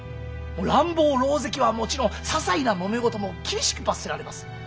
乱暴狼藉はもちろんささいなもめ事も厳しく罰せられます。